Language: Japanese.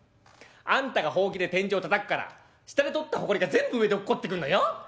あんたがホウキで天井たたくから下で取ったほこりが全部上で落っこってくんのよ。